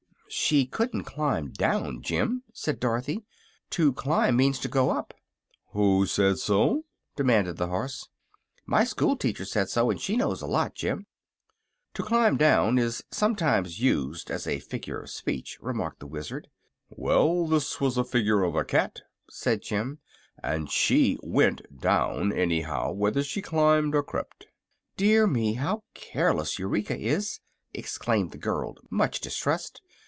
"She couldn't climb down, Jim," said Dorothy. "To climb means to go up." "Who said so?" demanded the horse. "My school teacher said so; and she knows a lot, Jim." "To 'climb down' is sometimes used as a figure of speech," remarked the Wizard. "Well, this was a figure of a cat," said Jim, "and she went down, anyhow, whether she climbed or crept." "Dear me! how careless Eureka is," exclaimed the girl, much distressed.